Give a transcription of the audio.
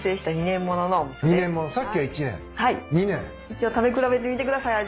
一応食べ比べてみてください。